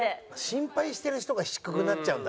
心配してる人が低くなっちゃうんだね